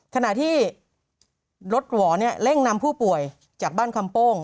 ขณะที่รถหวอเนี่ยเร่งนำผู้ป่วยจากบ้านคำโป้ง